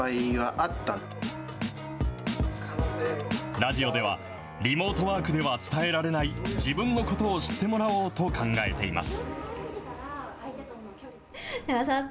ラジオでは、リモートワークでは伝えられない自分のことを知ってもらおうと考えています。